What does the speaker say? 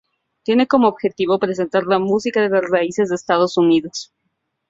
Tiene como objetivo presentar la música de las raíces de Estados Unidos.